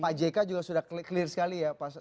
pak jk juga sudah clear sekali ya pak